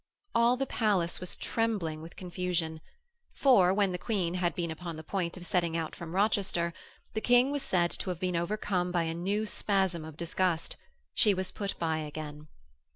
All the palace was trembling with confusion, for, when the Queen had been upon the point of setting out from Rochester, the King was said to have been overcome by a new spasm of disgust: she was put by again.